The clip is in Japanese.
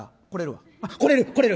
来れる？